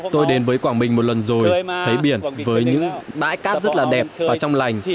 tôi đến với quảng bình một lần rồi thấy biển với những bãi cát rất là đẹp và trong lành